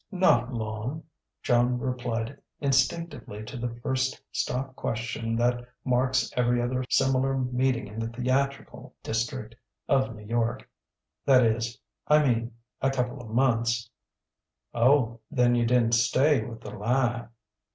"Not long," Joan replied instinctively to the first stock question that marks every other similar meeting in the theatrical district of New York. "That is I mean a couple of months." "Oh, then you didn't stay with 'The Lie'?"